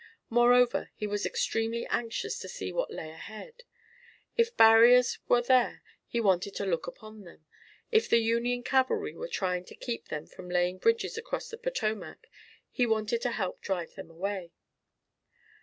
Moreover he was extremely anxious to see what lay ahead. If barriers were there he wanted to look upon them. If the Union cavalry were trying to keep them from laying bridges across the Potomac he wanted to help drive them away.